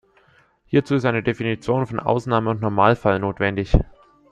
Hierzu ist eine Definition von Ausnahme und Normalfall notwendig.